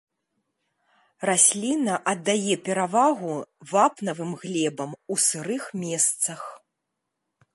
Расліна аддае перавагу вапнавым глебам у сырых месцах.